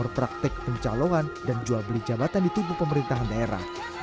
memang praktek pencalohan dan jual beli jabatan di tubuh pemerintahan daerah